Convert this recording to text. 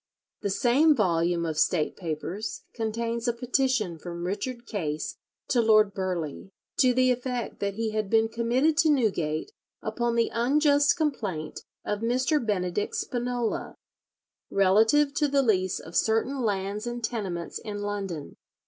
The same volume of State Papers contains a petition from Richard Case to Lord Burghley, to the effect that he had been committed to Newgate "upon the unjust complaint of Mr. Benedict Spinola, relative to the lease of certain lands and tenements in London."